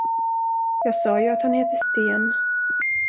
Jag sa ju att han heter Sten.